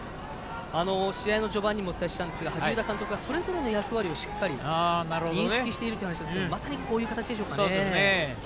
試合の序盤にもお伝えしたんですが萩生田監督がしっかりしているというお話でしたがまさにこういう形でしょうかね。